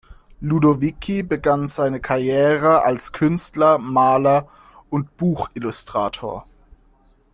Ludovici begann seine Karriere als Künstler, Maler und Buchillustrator.